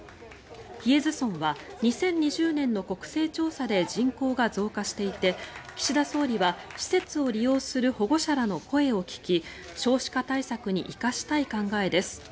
日吉津村は２０２０年の国勢調査で人口が増加していて岸田総理は施設を利用する保護者らの声を聞き少子化対策に生かしたい考えです。